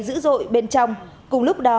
dữ dội bên trong cùng lúc đó